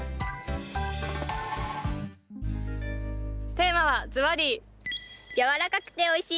テーマはずばり！